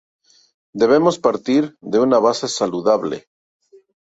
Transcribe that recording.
Debemos partir de una base saludable.